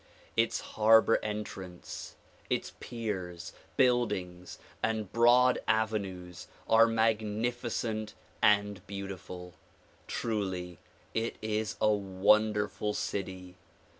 Its harbor entrance, its piers, buildings and broad avenues are magnificent and beautiful. Truly it is a wonderful city.